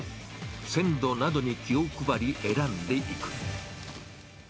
鮮度などに気を配り選んでいく。